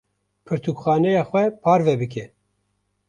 Pirtûkxaneya xwe parve bike.